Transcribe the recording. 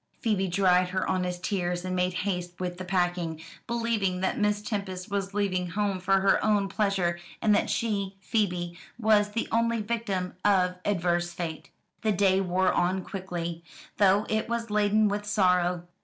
Phoebe dried her honest tears, and made haste with the packing, believing that Miss Tempest was leaving home for her own pleasure, and that she, Phoebe, was the only victim of adverse fate. The day wore on quickly, though it was laden with sorrow.